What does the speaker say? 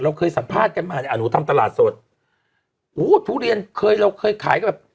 เคยสัมภาษณ์กันมาเนี้ยอ่ะหนูทำตลาดสดอู้ทุเรียนเคยเราเคยขายก็แบบ